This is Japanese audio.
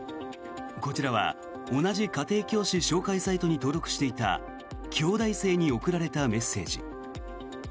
こちらは同じ家庭教師紹介サイトに登録していた京大生に送られたメッセージ。